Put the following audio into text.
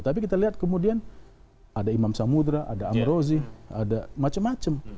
tapi kita lihat kemudian ada imam samudera ada amrozi ada macam macam